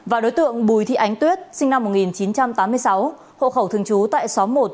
và đối tượng bùi thị ánh tuyết sinh năm một nghìn chín trăm tám mươi sáu hộ khẩu thường trú tại xóm một